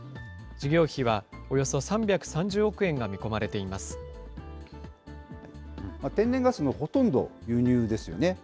事業費はおよそ３３０億円が見込天然ガスのほとんど、輸入ですよね。